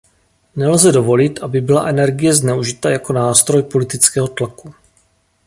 Nelze dovolit, aby byla energie zneužita jako nástroj politického tlaku.